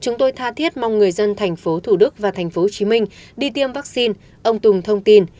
chúng tôi tha thiết mong người dân tp hcm và tp hcm đi tiêm vaccine ông tùng thông tin